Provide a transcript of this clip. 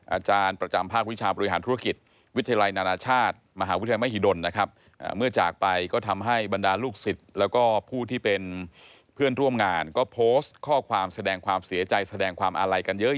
อาจารย์ประจำภาพวิชาบริหารธุรกิจวิชาล